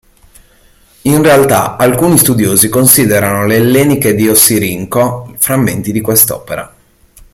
In realtà, alcuni studiosi considerano le "Elleniche di Ossirinco" frammenti di quest'opera.